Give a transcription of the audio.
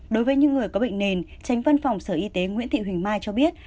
đối với những người có bệnh nền tránh văn phòng sở y tế nguyễn thị huỳnh mai cho biết